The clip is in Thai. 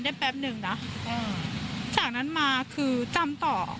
ทำไมคงคืนเขาว่าทำไมคงคืนเขาว่า